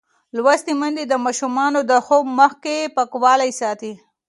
لوستې میندې د ماشومانو د خوب مخکې پاکوالی ساتي.